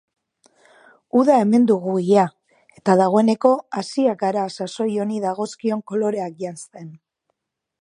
Uda hemen dugu ia eta dagoeneko hasiak gara sasoi honi dagozkion koloreak janzten.